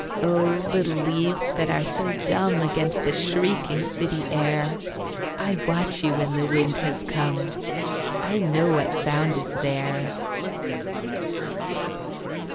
Oh, little leaves that are so dumb Against the shrieking city air, I watch you when the wind has come, I know what sound is there.